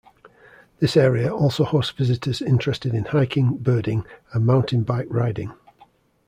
This area also hosts visitors interested in hiking, birding and mountain bike riding.